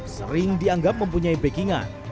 sering dianggap mempunyai pekingan